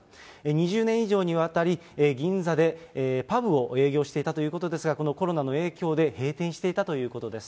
２０年以上にわたり、銀座でパブを営業していたということですが、このコロナの影響で閉店していたということです。